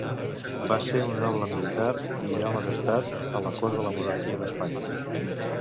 Va ser un noble, militar i home d'estat a la cort de la Monarquia d'Espanya.